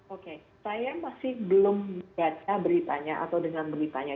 oke saya masih belum baca beritanya atau dengan beritanya